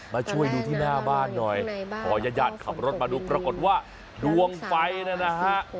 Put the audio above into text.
มาช่วยดูที่หน้าบ้านหน่อยพอญาติญาติขับรถมาดูปรากฏว่าดวงไฟนะฮะ